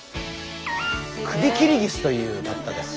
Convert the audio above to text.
クビキリギスというバッタです。